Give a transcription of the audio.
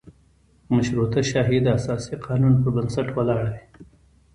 مشروطه شاهي د اساسي قانون په بنسټ ولاړه وي.